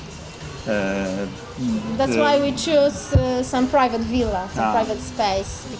itulah sebabnya kami memilih villa pribadi ruang pribadi